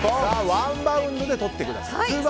ワンバウンドでとってください。